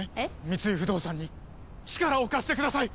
三井不動産に力を貸してください！